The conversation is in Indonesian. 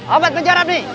obat penjarab ini